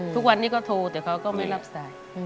ทุกวันนี้ก็โทรแต่เขาก็ไม่รับสาย